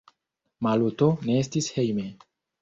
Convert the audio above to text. Maluto ne estis hejme.